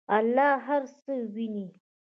الله هر څه ویني.